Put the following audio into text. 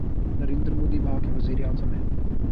نریندر مودی وہاں کے وزیر اعظم ہیں۔